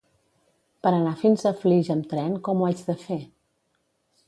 Per anar fins a Flix amb tren, com ho haig de fer?